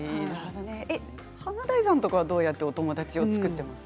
華大さんとかはどうやってお友達を作っているんですか？